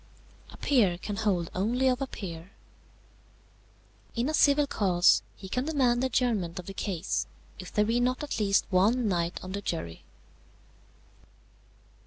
"A peer can hold only of a peer. "In a civil cause he can demand the adjournment of the case, if there be not at least one knight on the jury.